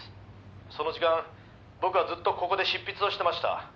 その時間僕はずっとここで執筆をしてました」